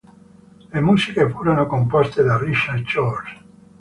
Le musiche furono composte da Richard Shores.